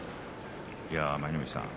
舞の海さん